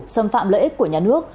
xâm phạm lợi ích của nhà nước